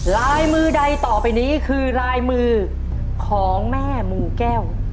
ลายมือใดต่อไปนี้คือลายมือของแม่หมู่แก้ว